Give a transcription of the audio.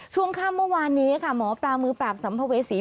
ช่วงค่ำเมื่อวานนี้ค่ะหมอปลามือปราบสัมภเวษี